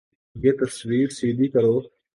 یہ تصویر سیدھی کرو